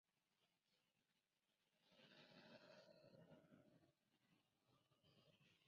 Se especializó en las materias de Economía Política y Derecho Tributario.